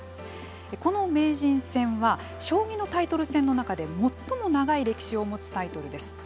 この名人戦は将棋のタイトル戦の中で最も長い歴史を持つタイトルです。